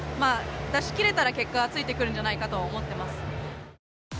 出しきれたら結果がついてくるんじゃないかと思っています。